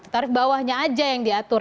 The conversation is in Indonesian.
tarif bawahnya aja yang diatur